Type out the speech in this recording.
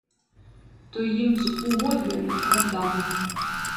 То їм з угоддями оддам.